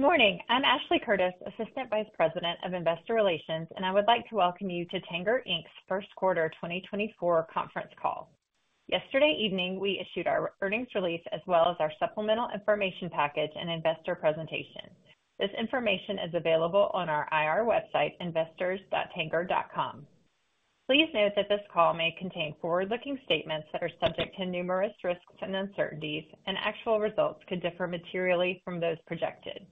Good morning! I'm Ashley Curtis, Assistant Vice President of Investor Relations, and I would like to welcome you to Tanger Inc's Q1 2024 conference call. Yesterday evening, we issued our earnings release, as well as our supplemental information package and investor presentation. This information is available on our IR website, investors.tanger.com. Please note that this call may contain forward-looking statements that are subject to numerous risks and uncertainties, and actual results could differ materially from those projected.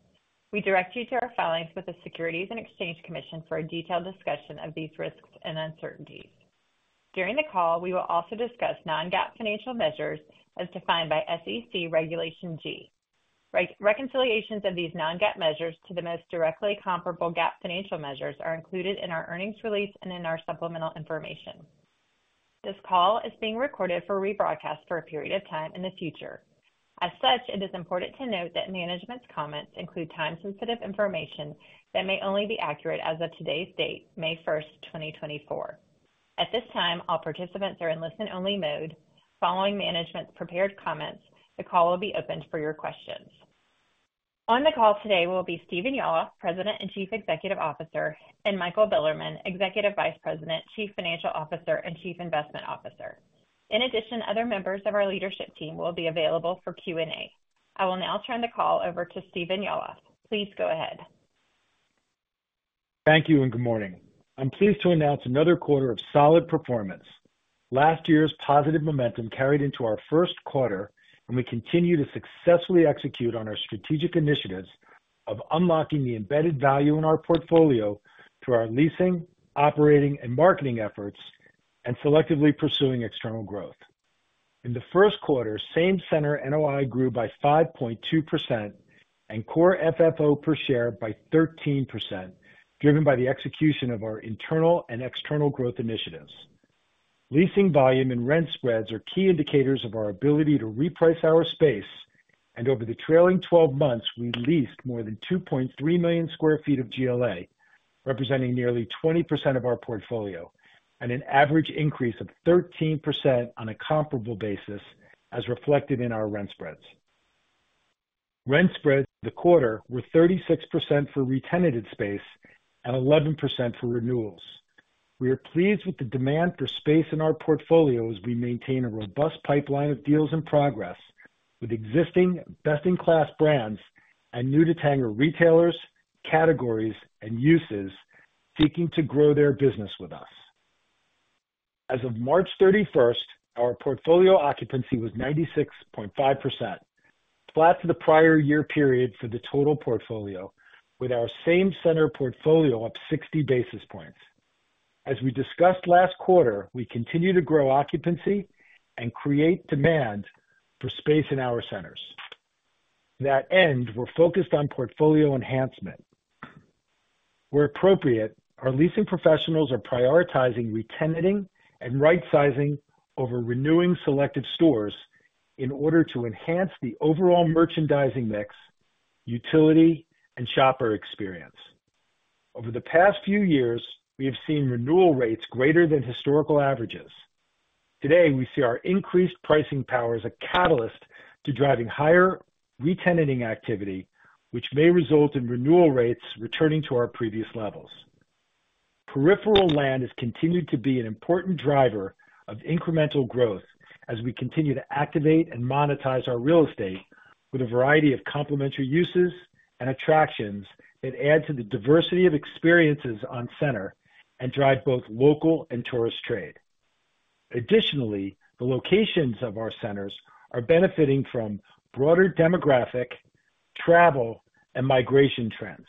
We direct you to our filings with the Securities and Exchange Commission for a detailed discussion of these risks and uncertainties. During the call, we will also discuss non-GAAP financial measures as defined by SEC Regulation G. Reconciliations of these non-GAAP measures to the most directly comparable GAAP financial measures are included in our earnings release and in our supplemental information. This call is being recorded for rebroadcast for a period of time in the future. As such, it is important to note that management's comments include time-sensitive information that may only be accurate as of today's date, May 1, 2024. At this time, all participants are in listen-only mode. Following management's prepared comments, the call will be opened for your questions. On the call today will be Stephen Yalof, President and Chief Executive Officer, and Michael Bilerman, Executive Vice President, Chief Financial Officer, and Chief Investment Officer. In addition, other members of our leadership team will be available for Q&A. I will now turn the call over to Stephen Yalof. Please go ahead. Thank you and good morning. I'm pleased to announce another quarter of solid performance. Last year's positive momentum carried into our Q1, and we continue to successfully execute on our strategic initiatives of unlocking the embedded value in our portfolio through our leasing, operating, and marketing efforts, and selectively pursuing external growth. In the Q1, same center NOI grew by 5.2% and core FFO per share by 13%, driven by the execution of our internal and external growth initiatives. Leasing volume and rent spreads are key indicators of our ability to reprice our space, and over the trailing 12 months, we leased more than 2.3 million sq ft of GLA, representing nearly 20% of our portfolio, and an average increase of 13% on a comparable basis, as reflected in our rent spreads. Rent spreads for the quarter were 36% for re-tenanted space and 11% for renewals. We are pleased with the demand for space in our portfolio as we maintain a robust pipeline of deals in progress with existing best-in-class brands and new to Tanger retailers, categories, and uses seeking to grow their business with us. As of March 31, our portfolio occupancy was 96.5%, flat to the prior year period for the total portfolio, with our same center portfolio up 60 basis points. As we discussed last quarter, we continue to grow occupancy and create demand for space in our centers. To that end, we're focused on portfolio enhancement. Where appropriate, our leasing professionals are prioritizing re-tenanting and rightsizing over renewing selected stores in order to enhance the overall merchandising mix, utility, and shopper experience. Over the past few years, we have seen renewal rates greater than historical averages. Today, we see our increased pricing power as a catalyst to driving higher re-tenanting activity, which may result in renewal rates returning to our previous levels. Peripheral land has continued to be an important driver of incremental growth as we continue to activate and monetize our real estate with a variety of complementary uses and attractions that add to the diversity of experiences on center and drive both local and tourist trade. Additionally, the locations of our centers are benefiting from broader demographic, travel, and migration trends.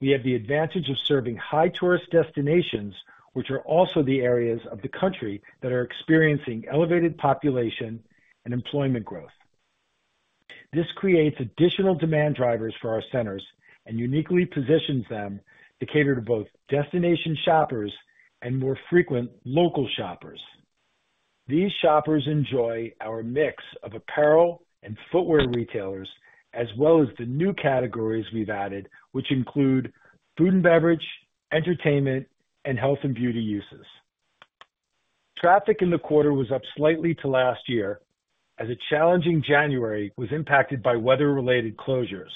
We have the advantage of serving high tourist destinations, which are also the areas of the country that are experiencing elevated population and employment growth. This creates additional demand drivers for our centers and uniquely positions them to cater to both destination shoppers and more frequent local shoppers. These shoppers enjoy our mix of apparel and footwear retailers, as well as the new categories we've added, which include food and beverage, entertainment, and health and beauty uses. Traffic in the quarter was up slightly to last year, as a challenging January was impacted by weather-related closures.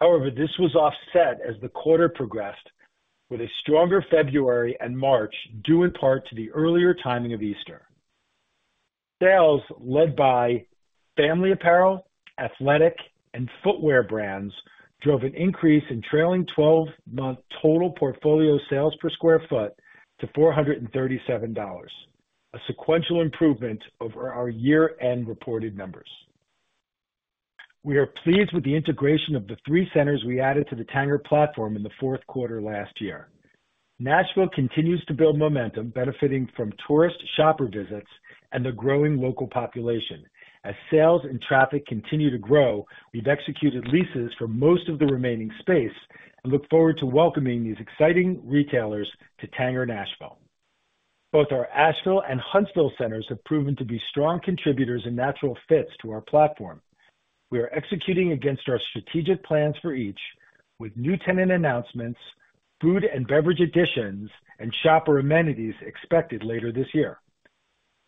However, this was offset as the quarter progressed with a stronger February and March, due in part to the earlier timing of Easter. Sales, led by family apparel, athletic, and footwear brands, drove an increase in trailing 12-month total portfolio sales per square foot to $437, a sequential improvement over our year-end reported numbers. We are pleased with the integration of the three centers we added to the Tanger platform in the Q4 last year. Nashville continues to build momentum, benefiting from tourist shopper visits and the growing local population. As sales and traffic continue to grow, we've executed leases for most of the remaining space and look forward to welcoming these exciting retailers to Tanger Nashville. Both our Asheville and Huntsville centers have proven to be strong contributors and natural fits to our platform. We are executing against our strategic plans for each, with new tenant announcements, food and beverage additions, and shopper amenities expected later this year....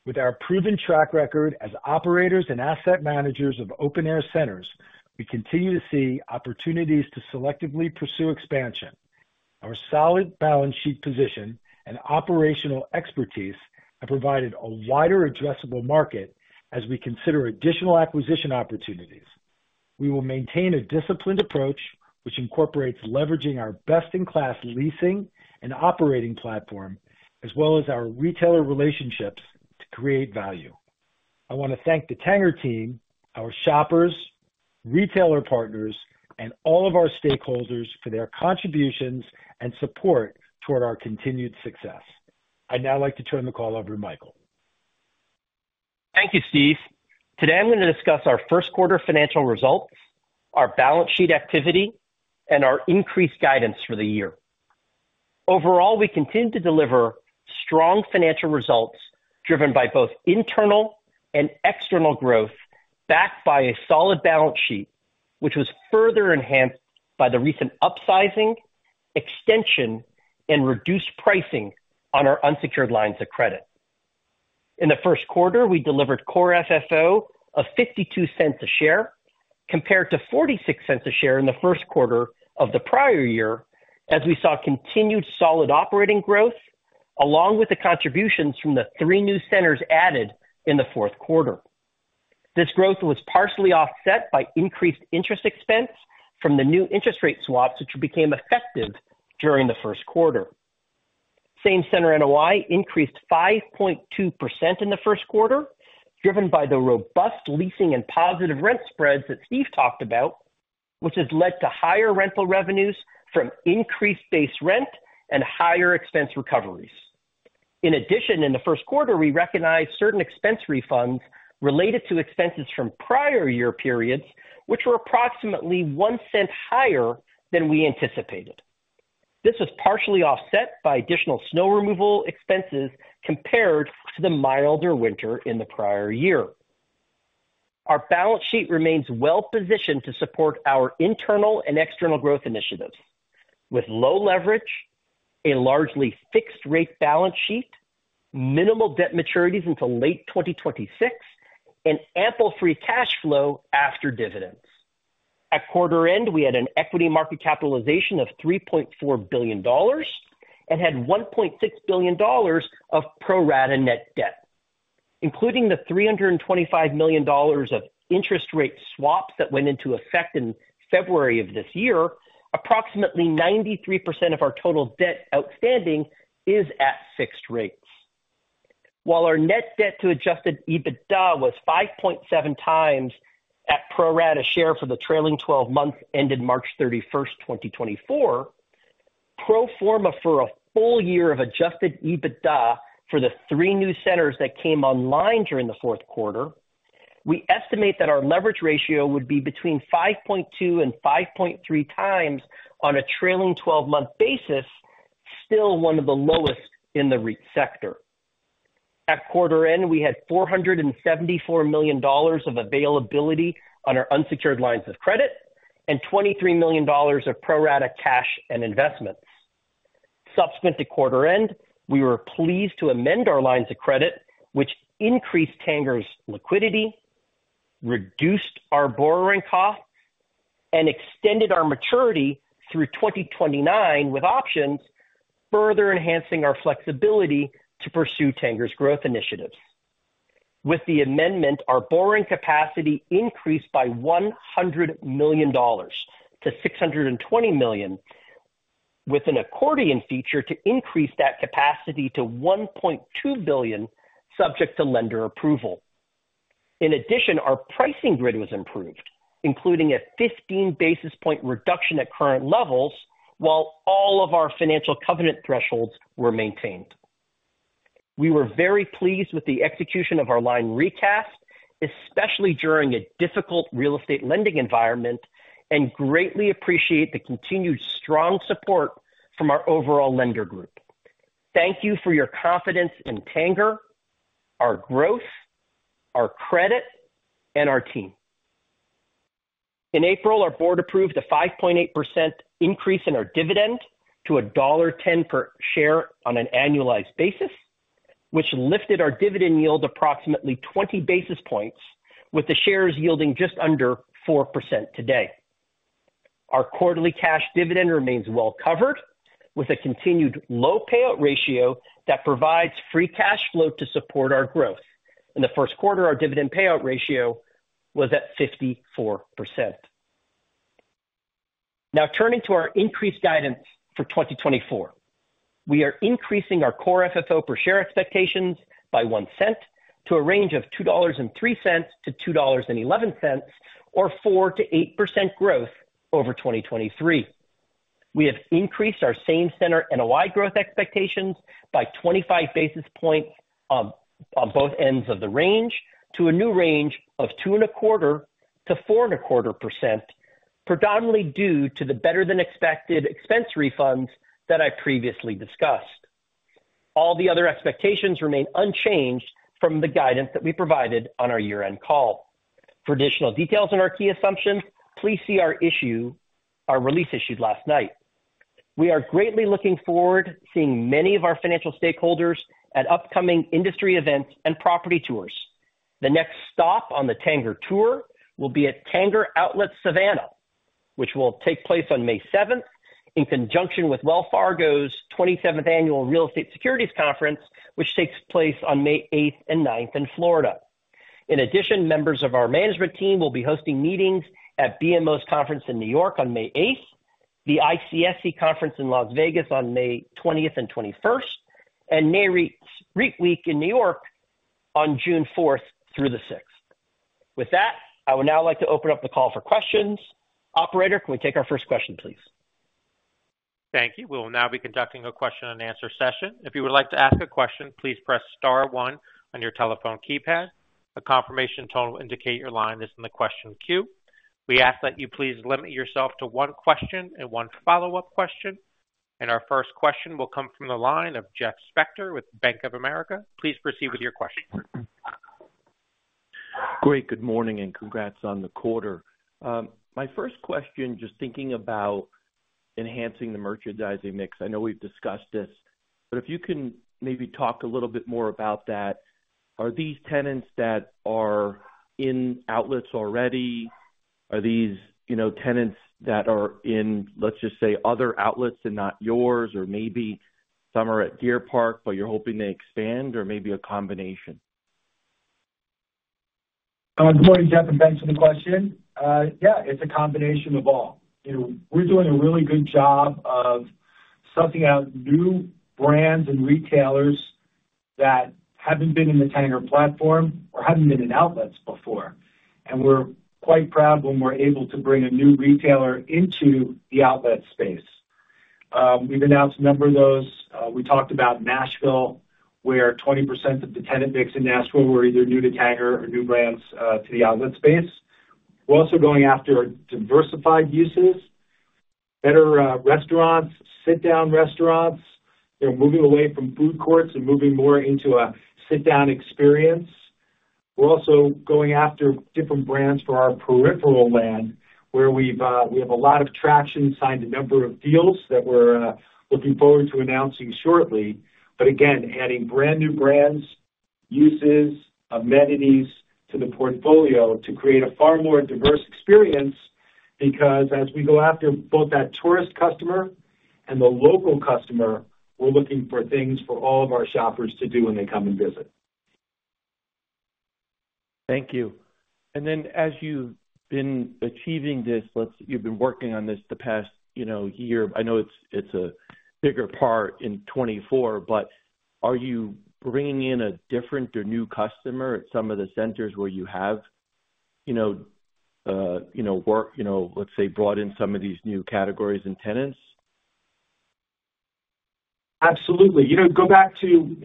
With our proven track record as operators and asset managers of open-air centers, we continue to see opportunities to selectively pursue expansion. Our solid balance sheet position and operational expertise have provided a wider addressable market as we consider additional acquisition opportunities. We will maintain a disciplined approach, which incorporates leveraging our best-in-class leasing and operating platform, as well as our retailer relationships to create value. I want to thank the Tanger team, our shoppers, retailer partners, and all of our stakeholders for their contributions and support toward our continued success. I'd now like to turn the call over to Michael. Thank you, Steve. Today, I'm going to discuss our Q1 financial results, our balance sheet activity, and our increased guidance for the year. Overall, we continued to deliver strong financial results, driven by both internal and external growth, backed by a solid balance sheet, which was further enhanced by the recent upsizing, extension, and reduced pricing on our unsecured lines of credit. In the Q1, we delivered Core FFO of $0.52 per share, compared to $0.46 per share in the Q1 of the prior year, as we saw continued solid operating growth, along with the contributions from the three new centers added in the Q4. This growth was partially offset by increased interest expense from the new interest rate swaps, which became effective during the Q1. Same center NOI increased 5.2% in the Q1, driven by the robust leasing and positive rent spreads that Steve talked about, which has led to higher rental revenues from increased base rent and higher expense recoveries. In addition, in the Q1, we recognized certain expense refunds related to expenses from prior year periods, which were approximately $0.01 higher than we anticipated. This was partially offset by additional snow removal expenses compared to the milder winter in the prior year. Our balance sheet remains well positioned to support our internal and external growth initiatives. With low leverage, a largely fixed rate balance sheet, minimal debt maturities until late 2026, and ample free cash flow after dividends. At quarter end, we had an equity market capitalization of $3.4 billion and had $1.6 billion of pro rata net debt, including the $325 million of interest rate swaps that went into effect in February of this year. Approximately 93% of our total debt outstanding is at fixed rates. While our net debt to Adjusted EBITDA was 5.7x at pro rata share for the trailing twelve months, ended March 31, 2024, pro forma for a full year of Adjusted EBITDA for the three new centers that came online during the Q4, we estimate that our leverage ratio would be between 5.2x and 5.3x on a trailing 12-month basis, still one of the lowest in the REIT sector. At quarter end, we had $474 million of availability on our unsecured lines of credit and $23 million of pro rata cash and investments. Subsequent to quarter end, we were pleased to amend our lines of credit, which increased Tanger's liquidity, reduced our borrowing costs, and extended our maturity through 2029, with options, further enhancing our flexibility to pursue Tanger's growth initiatives. With the amendment, our borrowing capacity increased by $100 million to $620 million, with an accordion feature to increase that capacity to $1.2 billion, subject to lender approval. In addition, our pricing grid was improved, including a 15 basis point reduction at current levels, while all of our financial covenant thresholds were maintained. We were very pleased with the execution of our line recast, especially during a difficult real estate lending environment, and greatly appreciate the continued strong support from our overall lender group. Thank you for your confidence in Tanger, our growth, our credit, and our team. In April, our board approved a 5.8% increase in our dividend to $1.10 per share on an annualized basis, which lifted our dividend yield approximately 20 basis points, with the shares yielding just under 4% today. Our quarterly cash dividend remains well covered, with a continued low payout ratio that provides free cash flow to support our growth. In the Q1, our dividend payout ratio was at 54%. Now, turning to our increased guidance for 2024. We are increasing our Core FFO per share expectations by $0.01 to a range of $2.03 to $2.11, or 4% to 8% growth over 2023. We have increased our Same Center NOI growth expectations by 25 basis points on both ends of the range to a new range of 2.25% to 4.25%, predominantly due to the better-than-expected expense refunds that I previously discussed. All the other expectations remain unchanged from the guidance that we provided on our year-end call. For additional details on our key assumptions, please see our release issued last night. We are greatly looking forward to seeing many of our financial stakeholders at upcoming industry events and property tours. The next stop on the Tanger Tour will be at Tanger Outlet Savannah, which will take place on May 7, in conjunction with Wells Fargo's 27th Annual Real Estate Securities Conference, which takes place on May 8 and 9 in Florida. In addition, members of our management team will be hosting meetings at BMO's conference in New York on May 8, the ICSC conference in Las Vegas on May 20 and 21, and NAREIT Week in New York on June 4 through the 6. With that, I would now like to open up the call for questions. Operator, can we take our first question, please? Thank you. We will now be conducting a question and answer session. If you would like to ask a question, please press star one on your telephone keypad. A confirmation tone will indicate your line is in the question queue. We ask that you please limit yourself to one question and one follow-up question. Our first question will come from the line of Jeff Spector with Bank of America. Please proceed with your question. Great, good morning and congrats on the quarter. My first question, just thinking about enhancing the merchandising mix. I know we've discussed this, but if you can maybe talk a little bit more about that. Are these tenants that are in outlets already? Are these, you know, tenants that are in, let's just say, other outlets and not yours, or maybe some are at Deer Park, but you're hoping to expand, or maybe a combination? Good morning, Jeff, and thanks for the question. Yeah, it's a combination of all. You know, we're doing a really good job of sussing out new brands and retailers that haven't been in the Tanger platform or haven't been in outlets before. And we're quite proud when we're able to bring a new retailer into the outlet space. We've announced a number of those. We talked about Nashville, where 20% of the tenant mix in Nashville were either new to Tanger or new brands to the outlet space. We're also going after diversified uses, better restaurants, sit-down restaurants. They're moving away from food courts and moving more into a sit-down experience. We're also going after different brands for our peripheral land, where we have a lot of traction, signed a number of deals that we're looking forward to announcing shortly. But again, adding brand new brands, uses, amenities to the portfolio to create a far more diverse experience, because as we go after both that tourist customer and the local customer, we're looking for things for all of our shoppers to do when they come and visit. Thank you. And then, as you've been achieving this, you've been working on this the past, you know, year. I know it's a bigger part in 2024, but are you bringing in a different or new customer at some of the centers where you have, you know, you know, work, you know, let's say, brought in some of these new categories and tenants? Absolutely. You know, go back to,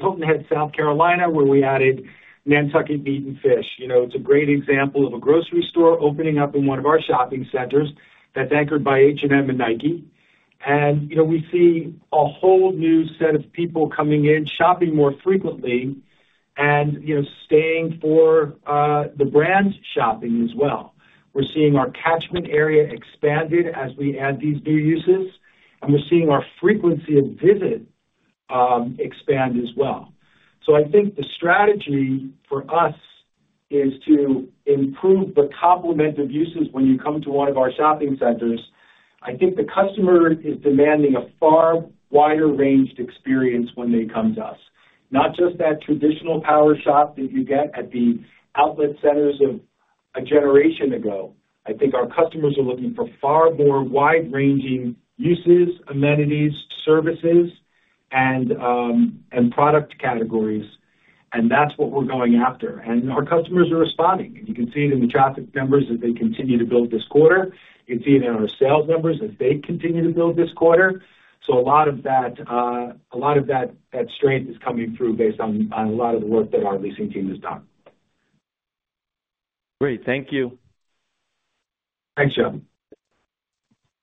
Hilton Head, South Carolina, where we added Nantucket Meat and Fish. You know, it's a great example of a grocery store opening up in one of our shopping centers that's anchored by H&M and Nike. And, you know, we see a whole new set of people coming in, shopping more frequently and, you know, staying for, the brands shopping as well. We're seeing our catchment area expanded as we add these new uses, and we're seeing our frequency of visit, expand as well. So I think the strategy for us is to improve the complement of uses when you come to one of our shopping centers. I think the customer is demanding a far wider ranged experience when they come to us, not just that traditional power shop that you get at the outlet centers of a generation ago. I think our customers are looking for far more wide-ranging uses, amenities, services, and, and product categories, and that's what we're going after. And our customers are responding. You can see it in the traffic numbers as they continue to build this quarter. You can see it in our sales numbers as they continue to build this quarter. So a lot of that, a lot of that, that strength is coming through based on, on a lot of the work that our leasing team has done. Great. Thank you. Thanks, Jeff.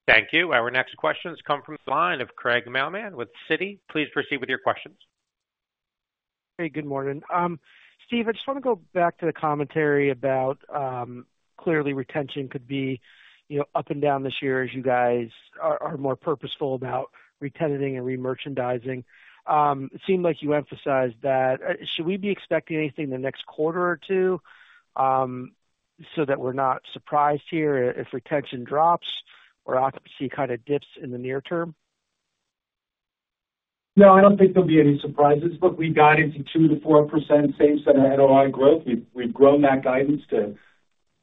Thank you. Our next question has come from the line of Craig Mailman with Citi. Please proceed with your questions. Hey, good morning. Steve, I just want to go back to the commentary about clearly, retention could be, you know, up and down this year as you guys are more purposeful about re-tenanting and remerchandising. It seemed like you emphasized that. Should we be expecting anything in the next quarter or two, so that we're not surprised here if retention drops or occupancy kind of dips in the near term? No, I don't think there'll be any surprises. Look, we've guided to 2% to 4% same-center NOI growth. We've grown that guidance to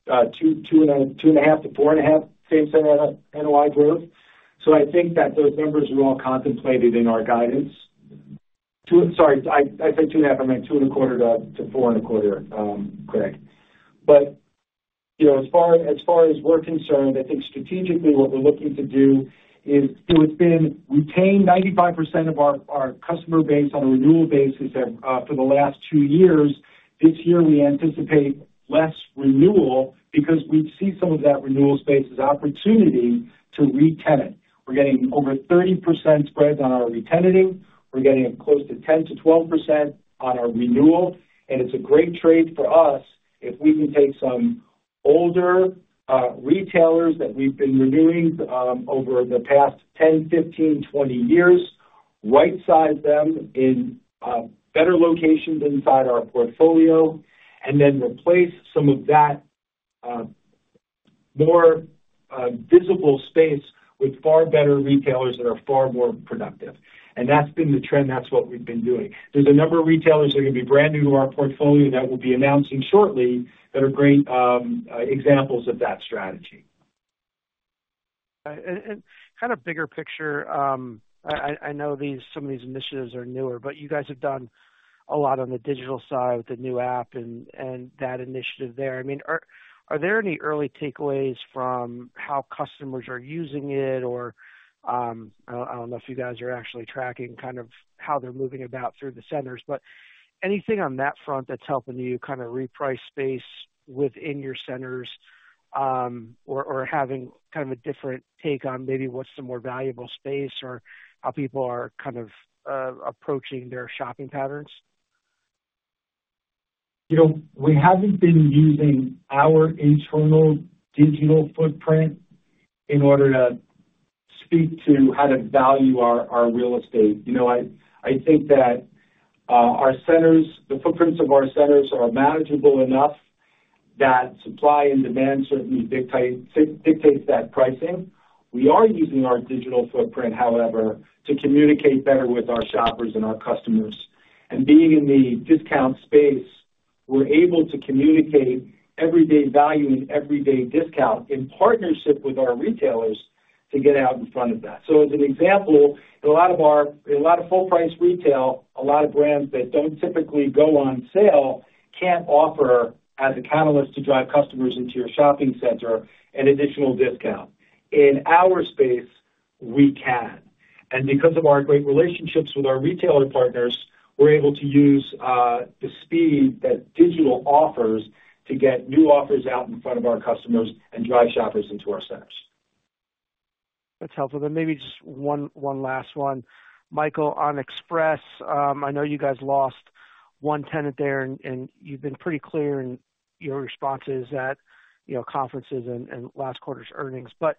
2.5 to to 4.5 same-center NOI growth. So I think that those numbers are all contemplated in our guidance. Sorry, I said two and a half, I meant 2.25 to 4.25, Craig. But you know, as far as we're concerned, I think strategically what we're looking to do is so it's been retain 95% of our customer base on a renewal basis for the last two years. This year, we anticipate less renewal because we see some of that renewal space as opportunity to retenant. We're getting over 30% spread on our re-tenanting. We're getting close to 10% to 12% on our renewal, and it's a great trade for us if we can take some older retailers that we've been renewing over the past 10, 15, 20 years, rightsize them in better locations inside our portfolio, and then replace some of that more visible space with far better retailers that are far more productive. And that's been the trend. That's what we've been doing. There's a number of retailers that are gonna be brand new to our portfolio that we'll be announcing shortly that are great examples of that strategy. And kind of bigger picture, I know these—some of these initiatives are newer, but you guys have done a lot on the digital side with the new app and that initiative there. I mean, are there any early takeaways from how customers are using it? Or, I don't know if you guys are actually tracking kind of how they're moving about through the centers, but anything on that front that's helping you kind of reprice space within your centers, or having kind of a different take on maybe what's the more valuable space or how people are kind of approaching their shopping patterns? You know, we haven't been using our internal digital footprint in order to speak to how to value our, our real estate. You know, I, I think that our centers, the footprints of our centers are manageable enough that supply and demand certainly dictate, dictates that pricing. We are using our digital footprint, however, to communicate better with our shoppers and our customers. And being in the discount space, we're able to communicate everyday value and everyday discount in partnership with our retailers to get out in front of that. So as an example, a lot of our, a lot of full price retail, a lot of brands that don't typically go on sale, can't offer, as a catalyst to drive customers into your shopping center, an additional discount. In our space, we can. Because of our great relationships with our retailer partners, we're able to use the speed that digital offers to get new offers out in front of our customers and drive shoppers into our centers. That's helpful. Then maybe just one, one last one. Michael, on Express, I know you guys lost one tenant there, and you've been pretty clear in your responses at, you know, conferences and last quarter's earnings. But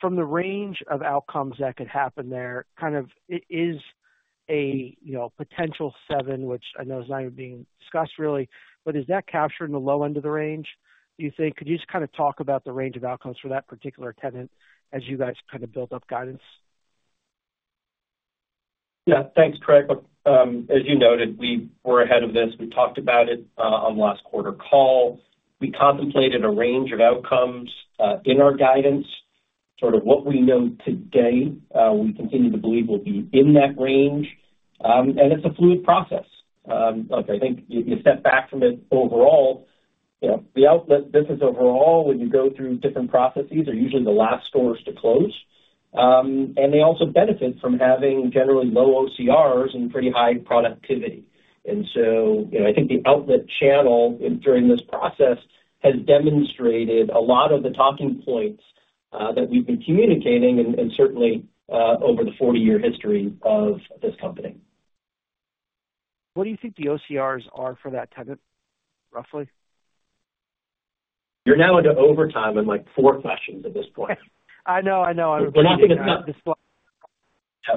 from the range of outcomes that could happen there, kind of, it is a, you know, potential seven, which I know is not even being discussed really, but is that captured in the low end of the range, do you think? Could you just kind of talk about the range of outcomes for that particular tenant as you guys kind of build up guidance? Yeah. Thanks, Craig. As you noted, we were ahead of this. We talked about it on last quarter call. We contemplated a range of outcomes in our guidance. Sort of what we know today, we continue to believe will be in that range. And it's a fluid process. Look, I think you step back from it overall, you know, the outlet business overall, when you go through different processes, are usually the last stores to close. And they also benefit from having generally low OCRs and pretty high productivity. And so, you know, I think the outlet channel during this process has demonstrated a lot of the talking points that we've been communicating, and certainly over the 40-year history of this company. What do you think the OCRs are for that tenant, roughly? You're now into overtime in, like, four questions at this point. I know. I know. Yeah.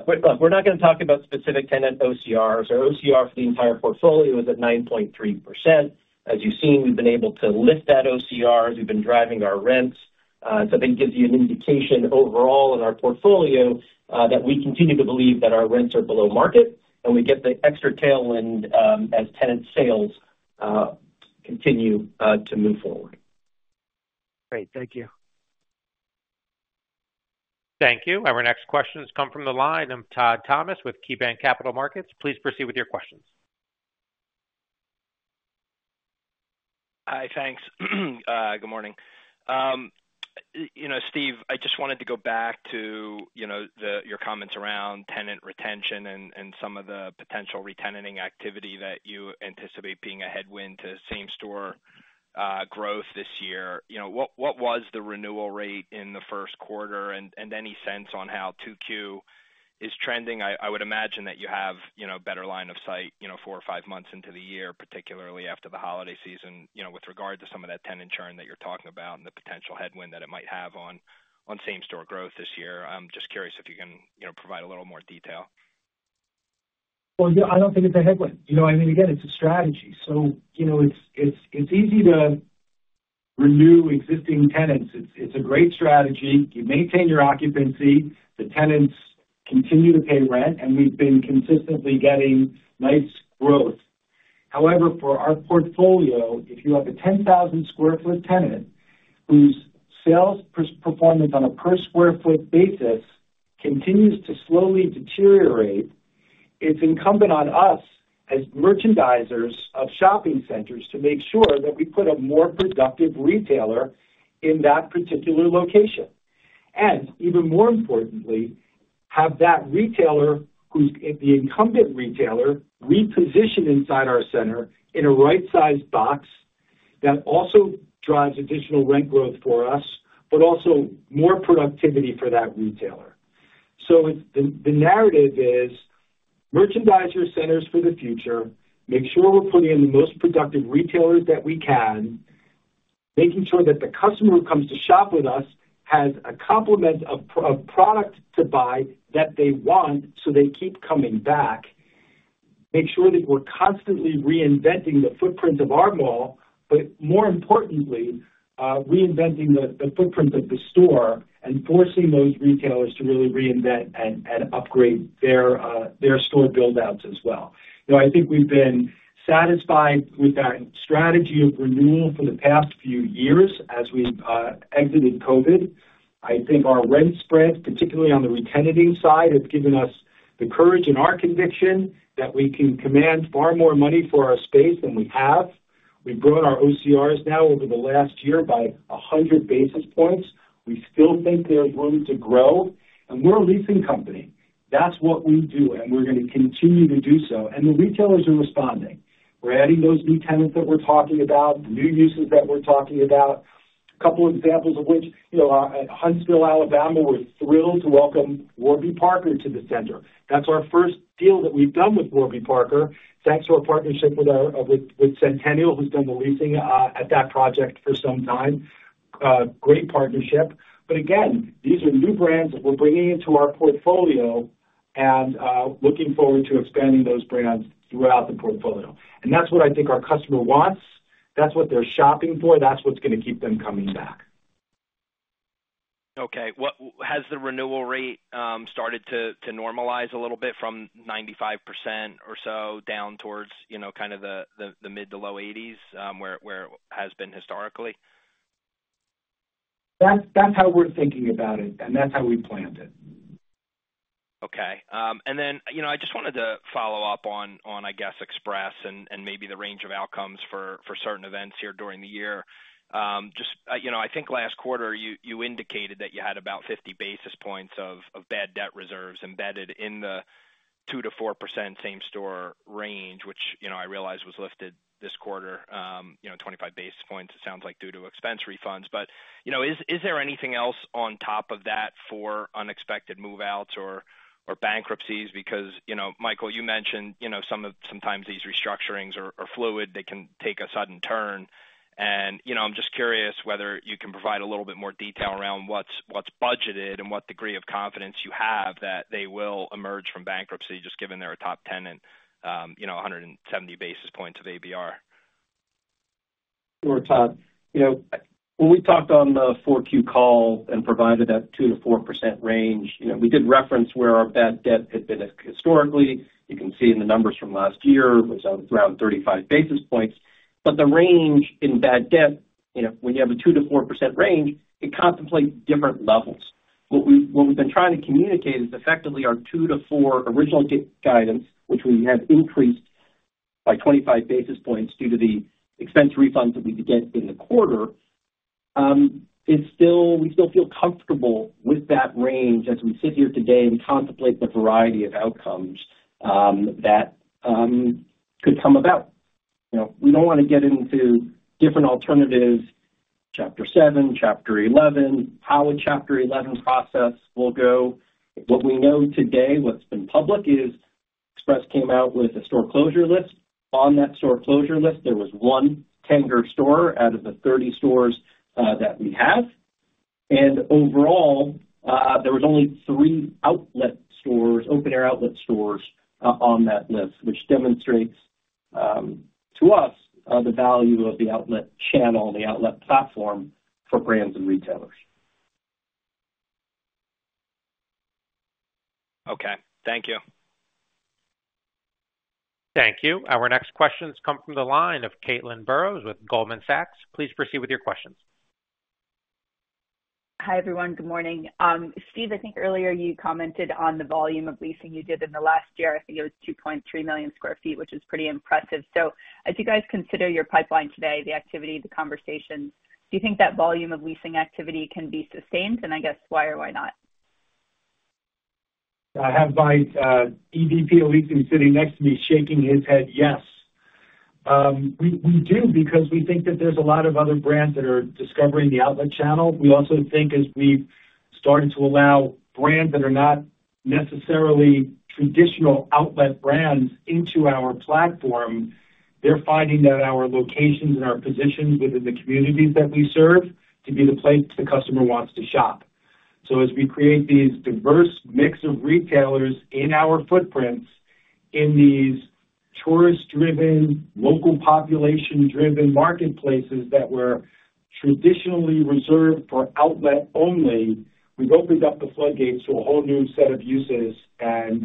But look, we're not gonna talk about specific tenant OCRs. Our OCR for the entire portfolio is at 9.3%. As you've seen, we've been able to lift that OCR as we've been driving our rents. So I think it gives you an indication overall in our portfolio that we continue to believe that our rents are below market, and we get the extra tailwind as tenant sales continue to move forward. Great. Thank you. Thank you. Our next question has come from the line of Todd Thomas with KeyBanc Capital Markets. Please proceed with your questions. Hi, thanks. Good morning. You know, Steve, I just wanted to go back to, you know, your comments around tenant retention and some of the potential re-tenanting activity that you anticipate being a headwind to same-store growth this year. You know, what was the renewal rate in the Q1? And any sense on how 2Q is trending? I would imagine that you have, you know, better line of sight, you know, four or five months into the year, particularly after the holiday season, you know, with regard to some of that tenant churn that you're talking about and the potential headwind that it might have on same-store growth this year. I'm just curious if you can, you know, provide a little more detail. Well, yeah, I don't think it's a headwind. You know, I mean, again, it's a strategy. So, you know, it's easy to renew existing tenants. It's a great strategy. You maintain your occupancy, the tenants continue to pay rent, and we've been consistently getting nice growth. However, for our portfolio, if you have a 10,000 sq ft tenant whose sales performance on a per sq ft basis continues to slowly deteriorate, it's incumbent on us as merchandisers of shopping centers to make sure that we put a more productive retailer in that particular location. And even more importantly, have that retailer, the incumbent retailer, reposition inside our center in a right-sized box that also drives additional rent growth for us, but also more productivity for that retailer. So it's the narrative is, merchandise centers for the future, make sure we're putting in the most productive retailers that we can, making sure that the customer who comes to shop with us has a complement of product to buy that they want, so they keep coming back. Make sure that we're constantly reinventing the footprint of our mall, but more importantly, reinventing the footprint of the store and forcing those retailers to really reinvent and upgrade their store buildouts as well. You know, I think we've been satisfied with that strategy of renewal for the past few years as we've exited COVID. I think our rent spreads, particularly on the re-tenanting side, have given us the courage and our conviction that we can command far more money for our space than we have. We've grown our OCRs now over the last year by 100 basis points. We still think there is room to grow, and we're a leasing company. That's what we do, and we're gonna continue to do so. And the retailers are responding. We're adding those new tenants that we're talking about, the new uses that we're talking about. A couple of examples of which, you know, at Huntsville, Alabama, we're thrilled to welcome Warby Parker to the center. That's our first deal that we've done with Warby Parker, thanks to our partnership with, with Centennial, who's done the leasing at that project for some time. Great partnership. But again, these are new brands that we're bringing into our portfolio and looking forward to expanding those brands throughout the portfolio. And that's what I think our customer wants. That's what they're shopping for. That's what's gonna keep them coming back. Okay. What has the renewal rate started to normalize a little bit from 95% or so down towards, you know, kind of the mid- to low 80s%, where it has been historically? That's how we're thinking about it, and that's how we planned it. Okay. And then, you know, I just wanted to follow up on, on, I guess, Express and, and maybe the range of outcomes for, for certain events here during the year. Just, you know, I think last quarter, you, you indicated that you had about 50 basis points of, of bad debt reserves embedded in the 2% to 4% same store range, which, you know, I realize was lifted this quarter, you know, 25 basis points, it sounds like, due to expense refunds. But, you know, is, is there anything else on top of that for unexpected move-outs or, or bankruptcies? Because, you know, Michael, you mentioned, you know, some of-- sometimes these restructurings are, are fluid. They can take a sudden turn. You know, I'm just curious whether you can provide a little bit more detail around what's budgeted and what degree of confidence you have that they will emerge from bankruptcy, just given they're a top tenant, you know, 170 basis points of ABR. Sure, Todd. You know, when we talked on the 4Q call and provided that 2% to 4% range, you know, we did reference where our bad debt had been at historically. You can see in the numbers from last year, it was around 35 basis points. But the range in bad debt, you know, when you have a 2% to 4% range, it contemplates different levels. What we've been trying to communicate is effectively our 2% to4% original guidance, which we have increased by 25 basis points due to the expense refunds that we did get in the quarter, is still. We still feel comfortable with that range as we sit here today and contemplate the variety of outcomes that could come about. You know, we don't want to get into different alternatives, Chapter 7, Chapter 11, how a Chapter eleven process will go. What we know today, what's been public, is Express came out with a store closure list. On that store closure list, there was one Tanger store out of the 30 stores that we have. And overall, there was only three outlet stores, open-air outlet stores, on that list, which demonstrates to us the value of the outlet channel, the outlet platform for brands and retailers. Okay. Thank you. Thank you. Our next questions come from the line of Caitlin Burrows with Goldman Sachs. Please proceed with your questions. Hi, everyone. Good morning. Steve, I think earlier you commented on the volume of leasing you did in the last year. I think it was 2.3 million sq ft, which is pretty impressive. So as you guys consider your pipeline today, the activity, the conversations, do you think that volume of leasing activity can be sustained? And I guess why or why not? I have my EVP of Leasing sitting next to me, shaking his head yes. We, we do because we think that there's a lot of other brands that are discovering the outlet channel. We also think as we've started to allow brands that are not necessarily traditional outlet brands into our platform, they're finding that our locations and our positions within the communities that we serve to be the place the customer wants to shop. So as we create these diverse mix of retailers in our footprints, in these tourist-driven, local population-driven marketplaces that were traditionally reserved for outlet only, we've opened up the floodgates to a whole new set of uses, and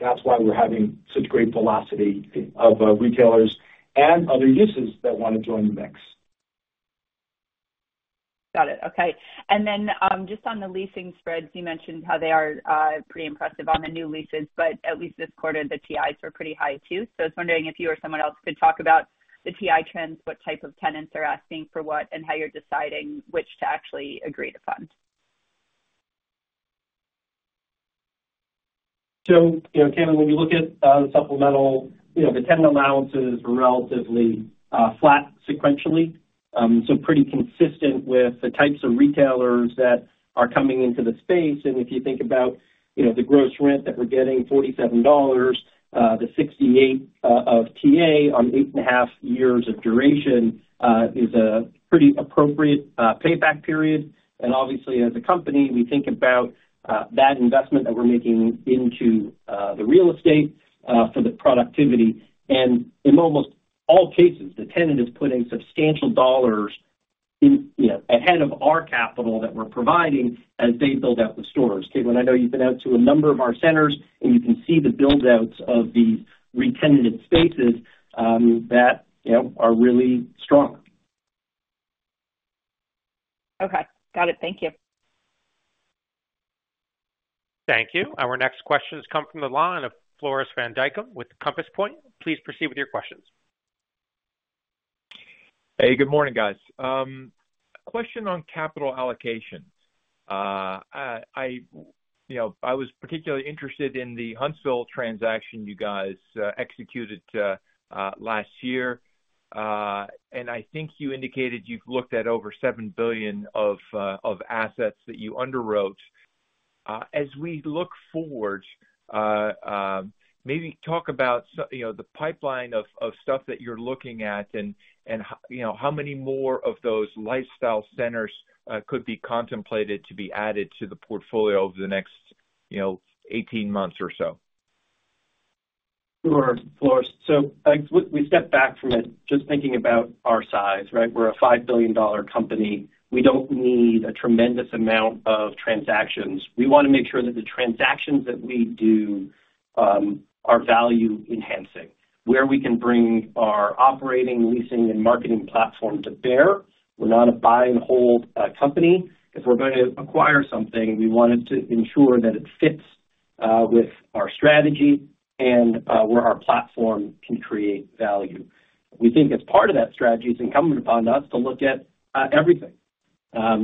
that's why we're having such great velocity of retailers and other uses that want to join the mix. Got it. Okay. And then, just on the leasing spreads, you mentioned how they are pretty impressive on the new leases, but at least this quarter, the TIs were pretty high, too. So I was wondering if you or someone else could talk about the TI trends, what type of tenants are asking for what, and how you're deciding which to actually agree to fund.... So, you know, Caitlin, when you look at the supplemental, you know, the tenant allowance is relatively flat sequentially. So pretty consistent with the types of retailers that are coming into the space. And if you think about, you know, the gross rent that we're getting, $47, the $68 of TA on 8.5 years of duration is a pretty appropriate payback period. And obviously, as a company, we think about that investment that we're making into the real estate for the productivity. And in almost all cases, the tenant is putting substantial dollars in, you know, ahead of our capital that we're providing as they build out the stores. Caitlin, I know you've been out to a number of our centers, and you can see the build-outs of these re-tenanted spaces, that, you know, are really strong. Okay, got it. Thank you. Thank you. Our next question has come from the line of Floris van Dijkum with Compass Point. Please proceed with your questions. Hey, good morning, guys. A question on capital allocations. I, you know, I was particularly interested in the Huntsville transaction you guys executed last year. I think you indicated you've looked at over $7 billion of assets that you underwrote. As we look forward, maybe talk about you know, the pipeline of stuff that you're looking at and you know, how many more of those lifestyle centers could be contemplated to be added to the portfolio over the next, you know, 18 months or so? Sure, Floris. So, like, we step back from it, just thinking about our size, right? We're a $5 billion company. We don't need a tremendous amount of transactions. We wanna make sure that the transactions that we do are value enhancing, where we can bring our operating, leasing, and marketing platform to bear. We're not a buy and hold company. If we're going to acquire something, we want it to ensure that it fits with our strategy and where our platform can create value. We think as part of that strategy, it's incumbent upon us to look at everything,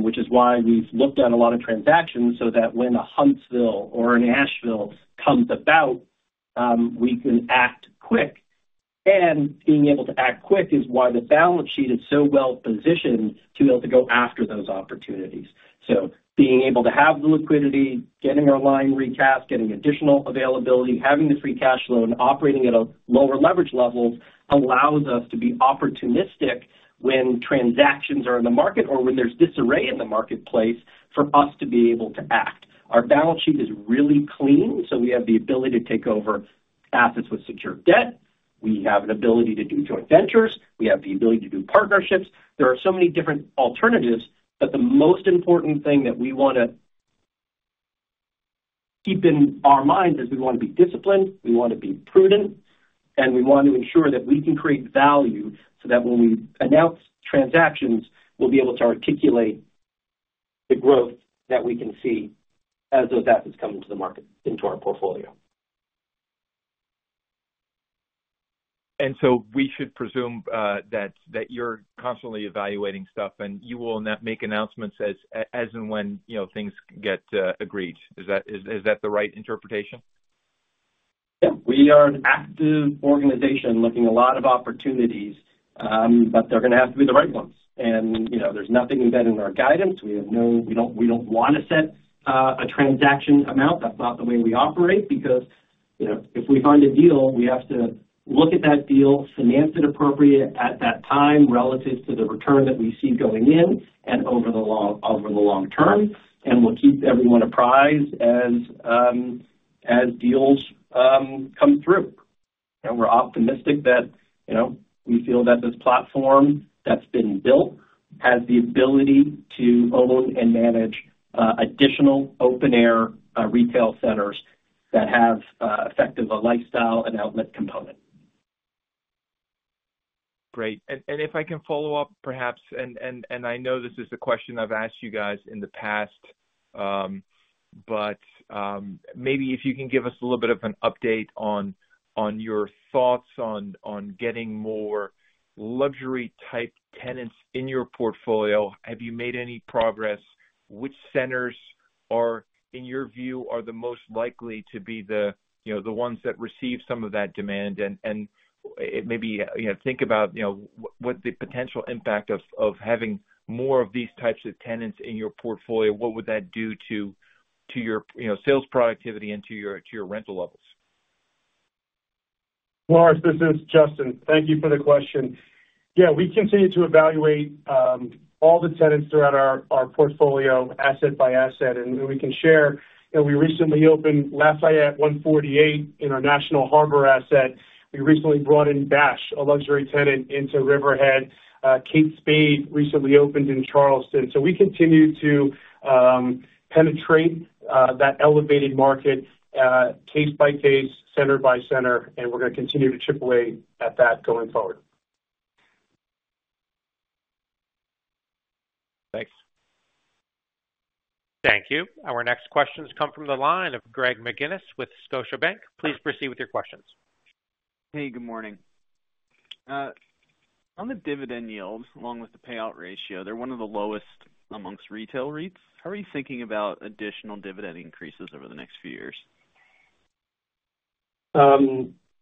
which is why we've looked at a lot of transactions, so that when a Huntsville or a Nashville comes about, we can act quick. Being able to act quick is why the balance sheet is so well positioned to be able to go after those opportunities. Being able to have the liquidity, getting our line recast, getting additional availability, having the free cash flow, and operating at a lower leverage level, allows us to be opportunistic when transactions are in the market or when there's disarray in the marketplace for us to be able to act. Our balance sheet is really clean, so we have the ability to take over assets with secure debt. We have an ability to do joint ventures. We have the ability to do partnerships. There are so many different alternatives, but the most important thing that we wanna keep in our minds is we wanna be disciplined, we wanna be prudent, and we want to ensure that we can create value, so that when we announce transactions, we'll be able to articulate the growth that we can see as those assets come into the market, into our portfolio. So we should presume that you're constantly evaluating stuff, and you will make announcements as and when, you know, things get agreed. Is that the right interpretation? Yeah. We are an active organization looking at a lot of opportunities, but they're gonna have to be the right ones. And, you know, there's nothing in that in our guidance. We don't, we don't wanna set a transaction amount. That's not the way we operate because, you know, if we find a deal, we have to look at that deal, finance it appropriate at that time, relative to the return that we see going in and over the long term, and we'll keep everyone apprised as deals come through. And we're optimistic that, you know, we feel that this platform that's been built has the ability to own and manage additional open-air retail centers that have effective a lifestyle and outlet component. Great. And if I can follow up, perhaps, I know this is a question I've asked you guys in the past, but maybe if you can give us a little bit of an update on your thoughts on getting more luxury-type tenants in your portfolio. Have you made any progress? Which centers are, in your view, the most likely to be the, you know, the ones that receive some of that demand? And maybe, you know, think about, you know, what the potential impact of having more of these types of tenants in your portfolio, what would that do to your, you know, sales productivity and to your rental levels? Floris, this is Justin. Thank you for the question. Yeah, we continue to evaluate all the tenants throughout our portfolio, asset by asset. We can share, you know, we recently opened Lafayette 148 in our National Harbor asset. We recently brought in ba&sh, a luxury tenant, into Riverhead. Kate Spade recently opened in Charleston. So we continue to penetrate that elevated market case by case, center by center, and we're gonna continue to chip away at that going forward. Thanks. Thank you. Our next question has come from the line of Greg McGinnis with Scotiabank. Please proceed with your questions. Hey, good morning. On the dividend yields, along with the payout ratio, they're one of the lowest among retail REITs. How are you thinking about additional dividend increases over the next few years?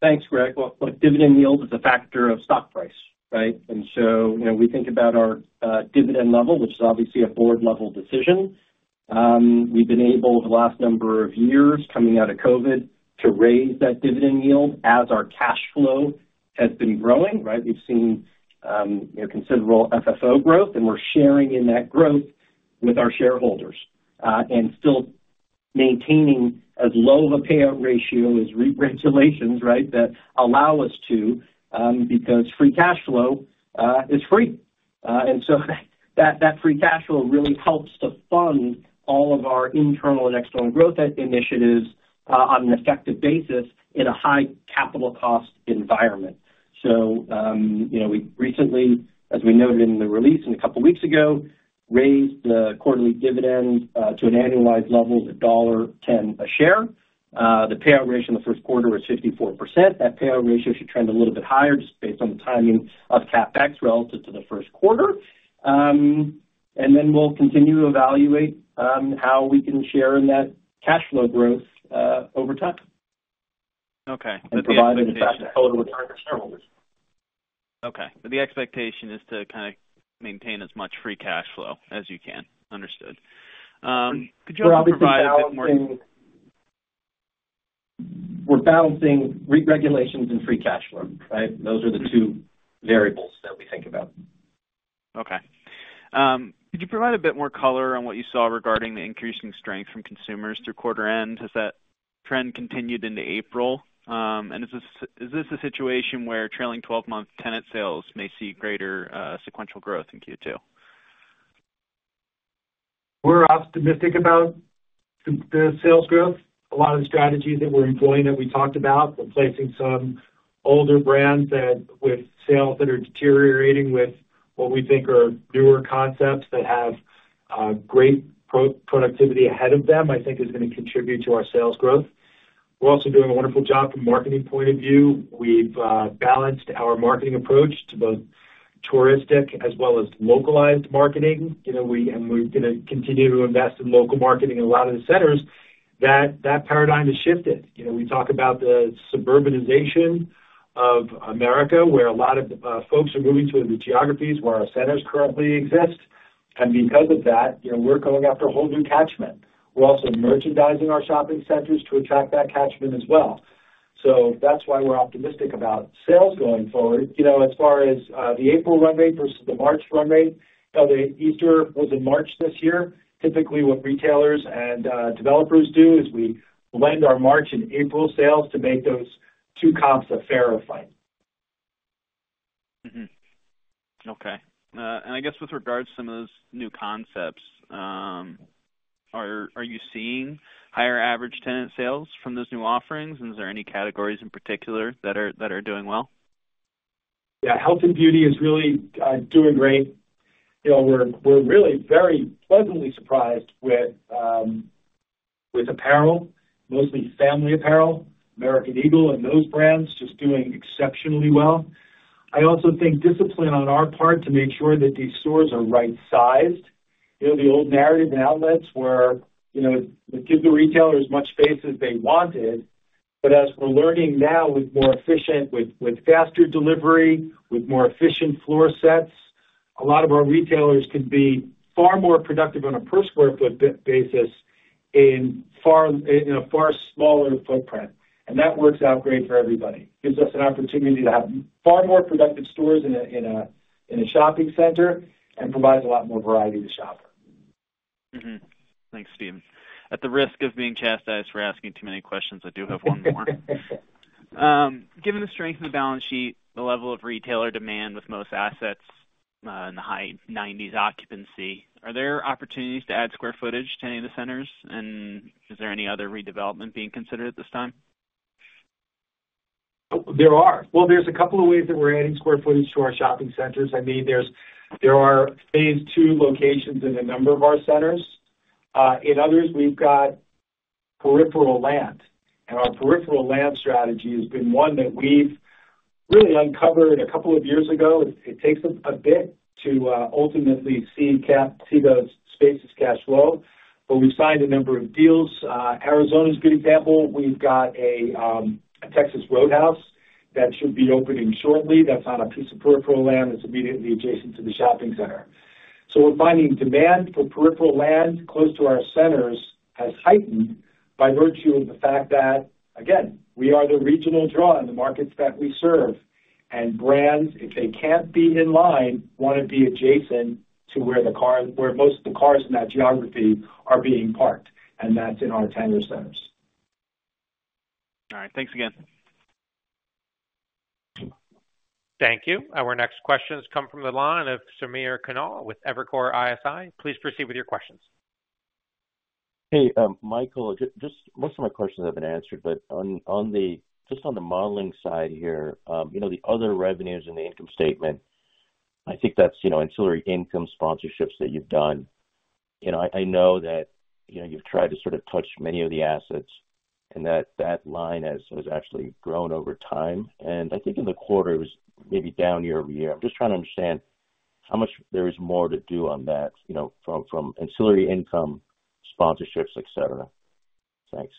Thanks, Greg. Well, look, dividend yield is a factor of stock price, right? And so, you know, we think about our dividend level, which is obviously a board-level decision. We've been able, the last number of years, coming out of COVID, to raise that dividend yield as our cash flow has been growing, right? We've seen, you know, considerable FFO growth, and we're sharing in that growth with our shareholders and still maintaining as low of a payout ratio as REIT regulations, right, that allow us to, because free cash flow is free. And so that free cash flow really helps to fund all of our internal and external growth initiatives on an effective basis in a high capital cost environment. So, you know, we recently, as we noted in the release a couple weeks ago, raised the quarterly dividend to an annualized level of $1.10 a share. The payout ratio in the Q1 was 54%. That payout ratio should trend a little bit higher, just based on the timing of CapEx relative to the Q1. And then we'll continue to evaluate how we can share in that cash flow growth over time. Okay. Provide the best total return to shareholders. Okay. But the expectation is to kind of maintain as much free cash flow as you can. Understood. Could you also provide a bit more- We're balancing REIT regulations and free cash flow, right? Those are the two variables that we think about. Okay. Could you provide a bit more color on what you saw regarding the increasing strength from consumers through quarter end? Has that trend continued into April? And is this, is this a situation where trailing 12-month tenant sales may see greater sequential growth in Q2? We're optimistic about the sales growth. A lot of the strategies that we're employing that we talked about, replacing some older brands that with sales that are deteriorating, with what we think are newer concepts that have great pro-productivity ahead of them, I think is gonna contribute to our sales growth. We're also doing a wonderful job from a marketing point of view. We've balanced our marketing approach to both touristic as well as localized marketing. You know, and we're gonna continue to invest in local marketing in a lot of the centers. That paradigm has shifted. You know, we talk about the suburbanization of America, where a lot of folks are moving to the geographies where our centers currently exist, and because of that, you know, we're going after a whole new catchment. We're also merchandising our shopping centers to attract that catchment as well. So that's why we're optimistic about sales going forward. You know, as far as the April run rate versus the March run rate, you know, the Easter was in March this year. Typically, what retailers and developers do is we lend our March and April sales to make those two comps a fairer fight. Mm-hmm. Okay. And I guess with regards to some of those new concepts, are you seeing higher average tenant sales from those new offerings, and is there any categories in particular that are doing well? Yeah. Health and beauty is really doing great. You know, we're really very pleasantly surprised with with apparel, mostly family apparel, American Eagle, and those brands just doing exceptionally well. I also think discipline on our part to make sure that these stores are rightsized. You know, the old narrative in outlets where, you know, we give the retailer as much space as they wanted, but as we're learning now, with more efficient with faster delivery, with more efficient floor sets, a lot of our retailers can be far more productive on a per square foot basis, in a far smaller footprint, and that works out great for everybody. Gives us an opportunity to have far more productive stores in a shopping center and provides a lot more variety to the shopper. Mm-hmm. Thanks, Steve. At the risk of being chastised for asking too many questions, I do have one more. Given the strength in the balance sheet, the level of retailer demand with most assets in the high 90s occupancy, are there opportunities to add square footage to any of the centers? And is there any other redevelopment being considered at this time? There are. Well, there's a couple of ways that we're adding square footage to our shopping centers. I mean, there are phase two locations in a number of our centers. In others, we've got peripheral land, and our peripheral land strategy has been one that we've really uncovered a couple of years ago. It takes a bit to ultimately see those spaces' cash flow, but we've signed a number of deals. Arizona is a good example. We've got a Texas Roadhouse that should be opening shortly, that's on a piece of peripheral land that's immediately adjacent to the shopping center. So we're finding demand for peripheral land close to our centers has heightened by virtue of the fact that, again, we are the regional draw in the markets that we serve, and brands, if they can't be in line, want to be adjacent to where most of the cars in that geography are being parked, and that's in our Tanger centers. All right. Thanks again. Thank you. Our next question has come from the line of Samir Khanal with Evercore ISI. Please proceed with your questions. Hey, Michael, just-- most of my questions have been answered, but on the-- just on the modeling side here, you know, the other revenues in the income statement... I think that's, you know, ancillary income sponsorships that you've done. You know, I know that, you know, you've tried to sort of touch many of the assets, and that line has actually grown over time. And I think in the quarter, it was maybe down year-over-year. I'm just trying to understand how much there is more to do on that, you know, from ancillary income sponsorships, et cetera. Thanks.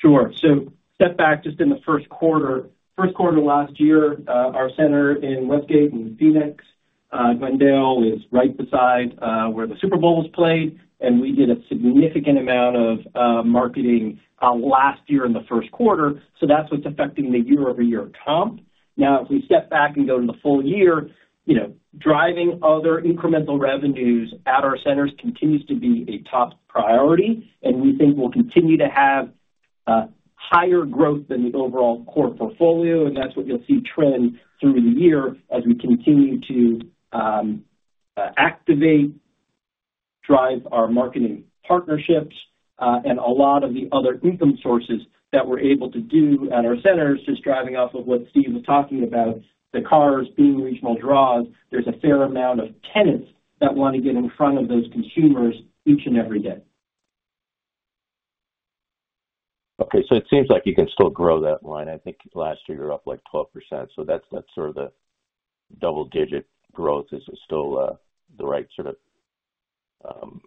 Sure. So step back just in the Q1. Q1 last year, our center in Westgate, in Phoenix, Glendale, is right beside where the Super Bowl was played, and we did a significant amount of marketing last year in the Q1, so that's what's affecting the year-over-year comp. Now, if we step back and go to the full year, you know, driving other incremental revenues at our centers continues to be a top priority, and we think we'll continue to have higher growth than the overall core portfolio, and that's what you'll see trend through the year as we continue to activate, drive our marketing partnerships, and a lot of the other income sources that we're able to do at our centers. Just driving off of what Steve was talking about, the cars being regional draws, there's a fair amount of tenants that want to get in front of those consumers each and every day. Okay, so it seems like you can still grow that line. I think last year, you were up, like, 12%, so that's, that's sort of the double-digit growth. Is it still the right sort of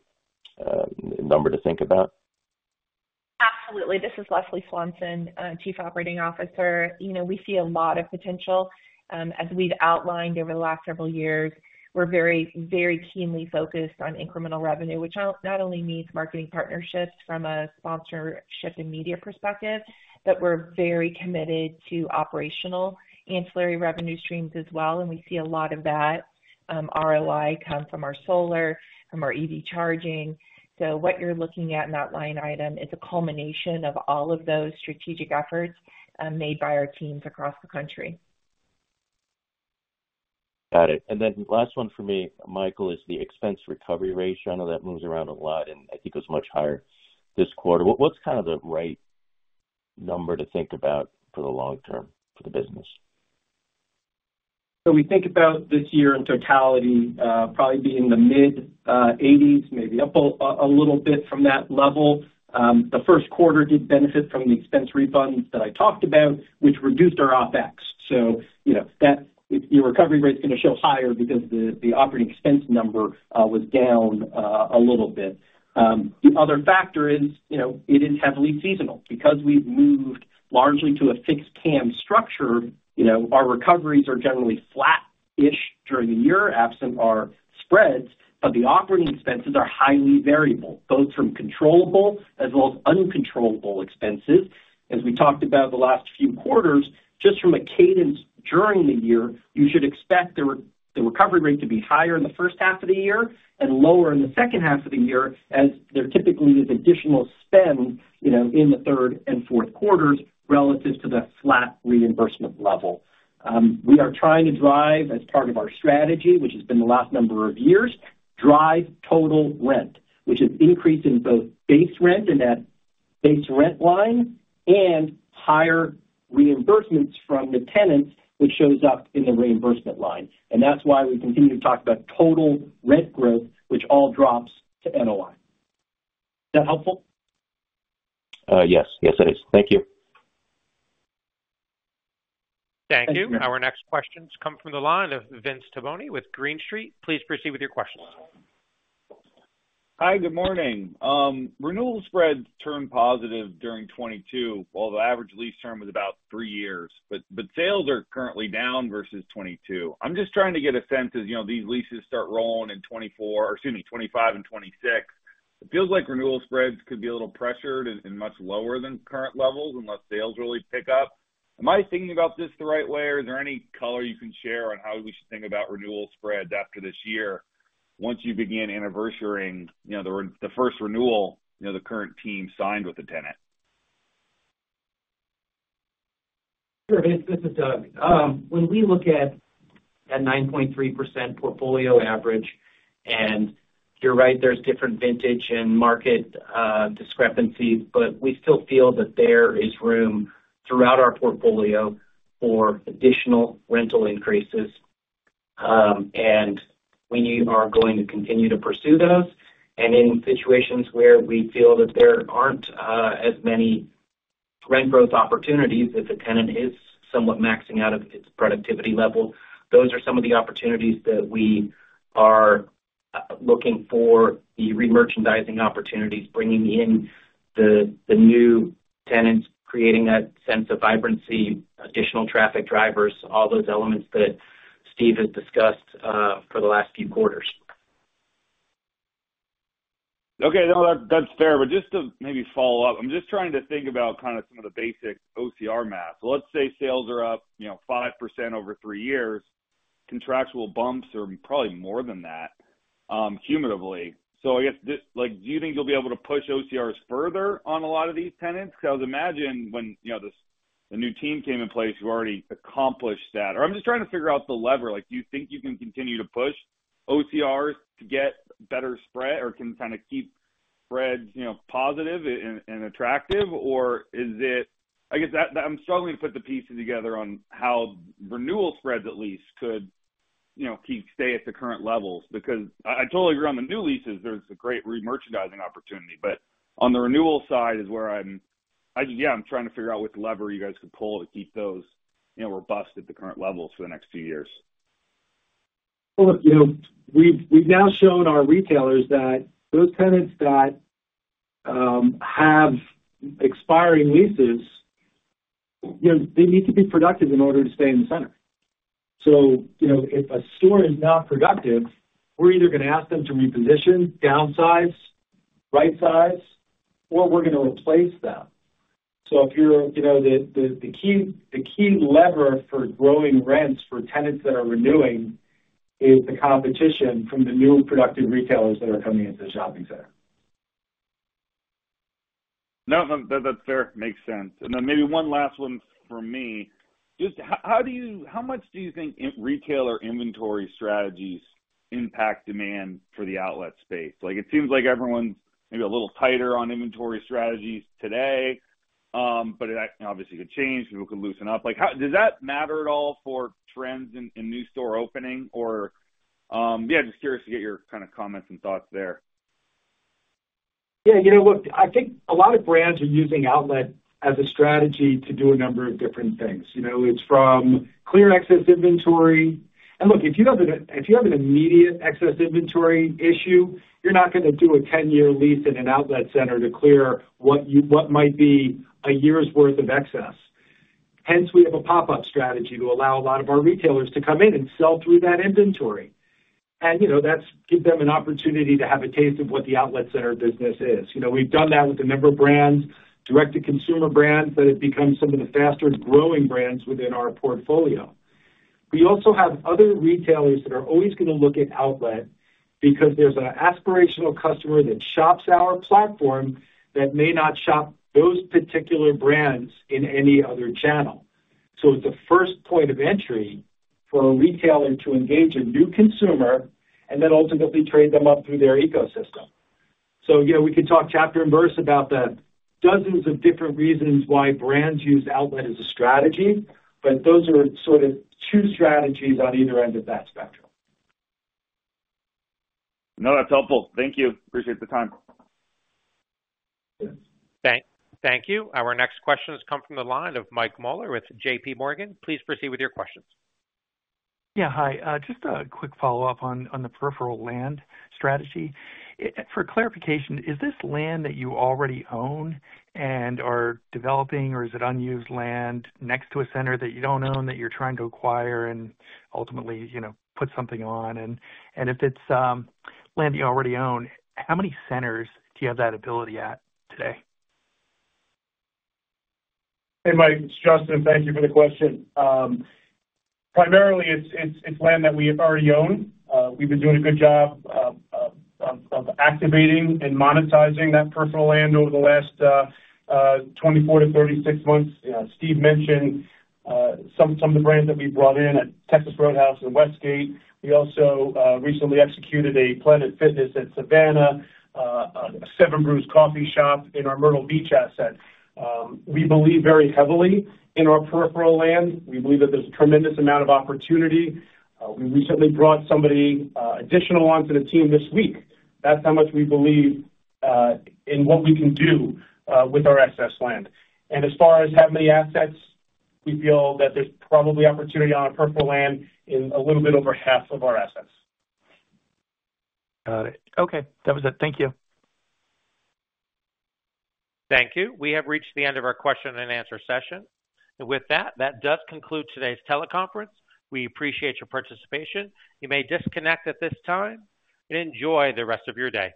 number to think about? Absolutely. This is Leslie Swanson, Chief Operating Officer. You know, we see a lot of potential. As we've outlined over the last several years, we're very, very keenly focused on incremental revenue, which not only means marketing partnerships from a sponsorship and media perspective, but we're very committed to operational ancillary revenue streams as well, and we see a lot of that ROI come from our solar, from our EV charging. So what you're looking at in that line item is a culmination of all of those strategic efforts made by our teams across the country. Got it. And then last one for me, Michael, is the expense recovery ratio. I know that moves around a lot, and I think it was much higher this quarter. What, what's kind of the right number to think about for the long term for the business? So we think about this year in totality, probably be in the mid-80s, maybe up a little bit from that level. The Q1 did benefit from the expense refunds that I talked about, which reduced our OpEx. So, you know, that—your recovery rate's gonna show higher because the operating expense number was down a little bit. The other factor is, you know, it is heavily seasonal. Because we've moved largely to a fixed CAM structure, you know, our recoveries are generally flattish during the year, absent our spreads, but the operating expenses are highly variable, both from controllable as well as uncontrollable expenses. As we talked about the last few quarters, just from a cadence during the year, you should expect the recovery rate to be higher in the first half of the year and lower in the second half of the year, as there typically is additional spend, you know, in the third and Q4s relative to the flat reimbursement level. We are trying to drive, as part of our strategy, which has been the last number of years, drive total rent, which is increase in both base rent, in that base rent line, and higher reimbursements from the tenants, which shows up in the reimbursement line. And that's why we continue to talk about total rent growth, which all drops to NOI. Is that helpful? Yes. Yes, it is. Thank you. Thank you. Our next questions come from the line of Vince Tibone with Green Street. Please proceed with your questions. Hi, good morning. Renewal spreads turned positive during 2022, while the average lease term was about three years. But sales are currently down versus 2022. I'm just trying to get a sense as, you know, these leases start rolling in 2024-- or excuse me, 2025 and 2026, it feels like renewal spreads could be a little pressured and much lower than current levels unless sales really pick up. Am I thinking about this the right way, or is there any color you can share on how we should think about renewal spreads after this year, once you begin anniversarying, you know, the first renewal, you know, the current team signed with the tenant? Sure, Vince, this is Doug. When we look at that 9.3% portfolio average, and you're right, there's different vintage and market discrepancies, but we still feel that there is room throughout our portfolio for additional rental increases, and we are going to continue to pursue those. And in situations where we feel that there aren't as many rent growth opportunities, if a tenant is somewhat maxing out of its productivity level, those are some of the opportunities that we are looking for the remerchandising opportunities, bringing in the new tenants, creating that sense of vibrancy, additional traffic drivers, all those elements that Steve has discussed for the last few quarters. Okay, no, that, that's fair. But just to maybe follow up, I'm just trying to think about kind of some of the basic OCR math. So let's say sales are up, you know, 5% over three years. Contractual bumps are probably more than that, cumulatively. So I guess, like, do you think you'll be able to push OCRs further on a lot of these tenants? Because I would imagine when, you know, this, the new team came in place, you already accomplished that. Or I'm just trying to figure out the lever. Like, do you think you can continue to push OCRs to get better spread or can kind of keep spreads, you know, positive and attractive or is it-- I guess that, I'm struggling to put the pieces together on how renewal spreads, at least, could, you know, keep stay at the current levels. Because I totally agree on the new leases, there's a great remerchandising opportunity. But on the renewal side is where I'm trying to figure out what lever you guys could pull to keep those, you know, robust at the current levels for the next few years. Well, look, you know, we've now shown our retailers that those tenants that have expiring leases, you know, they need to be productive in order to stay in the center. So, you know, if a store is not productive, we're either gonna ask them to reposition, downsize, right size, or we're gonna replace them. So if you're, you know, the key lever for growing rents for tenants that are renewing is the competition from the new productive retailers that are coming into the shopping center. No, no, that, that's fair. Makes sense. And then maybe one last one from me. Just how, how do you, how much do you think retailer inventory strategies impact demand for the outlet space? Like, it seems like everyone's maybe a little tighter on inventory strategies today, but it obviously could change, people could loosen up. Like, how does that matter at all for trends in, in new store opening? Or, yeah, just curious to get your kind of comments and thoughts there. Yeah, you know what? I think a lot of brands are using outlet as a strategy to do a number of different things. You know, it's from clear excess inventory... And look, if you have an immediate excess inventory issue, you're not gonna do a 10-year lease in an outlet center to clear what you-- what might be a year's worth of excess. Hence, we have a pop-up strategy to allow a lot of our retailers to come in and sell through that inventory. And, you know, that's give them an opportunity to have a taste of what the outlet center business is. You know, we've done that with a number of brands, direct-to-consumer brands, that have become some of the fastest growing brands within our portfolio. We also have other retailers that are always gonna look at outlet because there's an aspirational customer that shops our platform, that may not shop those particular brands in any other channel. So it's a first point of entry for a retailer to engage a new consumer and then ultimately trade them up through their ecosystem. So yeah, we could talk chapter and verse about the dozens of different reasons why brands use outlet as a strategy, but those are sort of two strategies on either end of that spectrum. No, that's helpful. Thank you. Appreciate the time. Yes. Thank you. Our next question has come from the line of Michael Mueller with J.P. Morgan. Please proceed with your questions. Yeah, hi. Just a quick follow-up on the peripheral land strategy. For clarification, is this land that you already own and are developing, or is it unused land next to a center that you don't own, that you're trying to acquire and ultimately, you know, put something on? And if it's land you already own, how many centers do you have that ability at today? Hey, Mike, it's Justin. Thank you for the question. Primarily, it's land that we already own. We've been doing a good job of activating and monetizing that peripheral land over the last 24 to 36 months. Steve mentioned some of the brands that we brought in at Texas Roadhouse and Westgate. We also recently executed a Planet Fitness at Savannah, 7 Brew coffee shop in our Myrtle Beach asset. We believe very heavily in our peripheral land. We believe that there's a tremendous amount of opportunity. We recently brought somebody additional onto the team this week. That's how much we believe in what we can do with our excess land. As far as how many assets, we feel that there's probably opportunity on our peripheral land in a little bit over half of our assets. Got it. Okay, that was it. Thank you. Thank you. We have reached the end of our question and answer session. With that, that does conclude today's teleconference. We appreciate your participation. You may disconnect at this time, and enjoy the rest of your day.